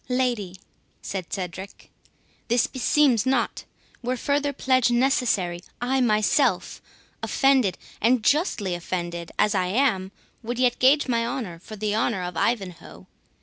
"Lady," said Cedric, "this beseems not; were further pledge necessary, I myself, offended, and justly offended, as I am, would yet gage my honour for the honour of Ivanhoe.